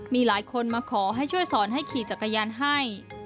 มีหลายคนมาขอให้ช่วยสอนให้ขี่จักรยานให้